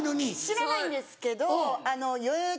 知らないんですけどよよよ